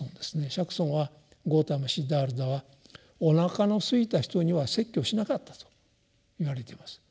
釈尊はゴータマ・シッダールタはおなかのすいた人には説教しなかったと言われています。